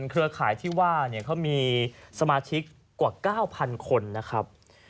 เครือข่ายที่ว่าเขามีสมาชิกกว่า๙๐๐คนนะครับ